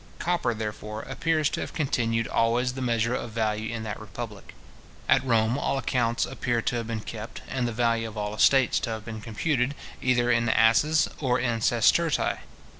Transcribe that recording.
Copper, therefore, appears to have continued always the measure of value in that republic. At Rome all accounts appear to have been kept, and the value of all estates to have been computed, either in asses or in sestertii.